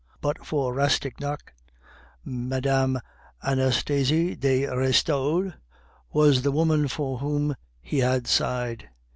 But for Rastignac, Mme. Anastasie de Restaud was the woman for whom he had sighed.